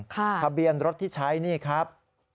ทะเบียนรถที่ใช้นี่ครับ